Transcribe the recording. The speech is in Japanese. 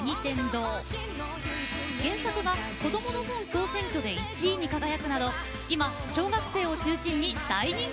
原作が“こどもの本”総選挙で１位に輝くなど今小学生を中心に大人気なんです。